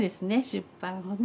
出版をね。